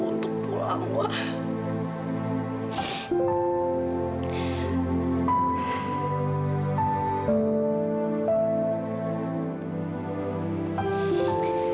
untuk pulang wawa